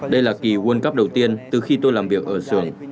đây là kỳ world cup đầu tiên từ khi tôi làm việc ở sưởng